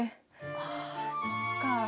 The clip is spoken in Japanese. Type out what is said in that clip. あそっか。